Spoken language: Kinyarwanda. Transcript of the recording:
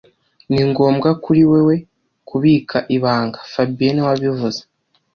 Ni ngombwa kuri wewe kubika ibanga fabien niwe wabivuze